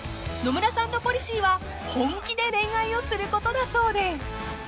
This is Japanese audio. ［野村さんのポリシーは本気で恋愛をすることだそうで］